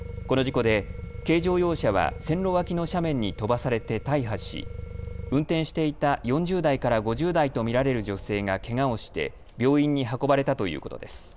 この事故で軽乗用車は線路脇の斜面に飛ばされて大破し運転していた４０代から５０代と見られる女性がけがをして病院に運ばれたということです。